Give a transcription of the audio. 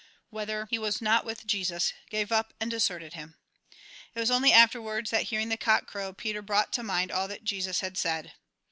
Whether he was not with Jesus ? gave up, and deserted him. It was only afterwards that, hearing the coc'c crow, Peter brought to mind all that Jesus had said.